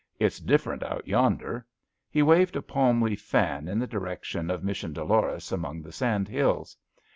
It's different out yonder." He waved a palm leaf fan in the direction of Mission Dolores among the sandhills.